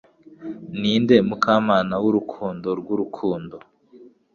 Ninde Mukamana wurukundo rwurukundo